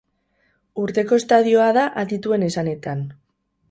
Urteko estadioa da, adituen esanetan.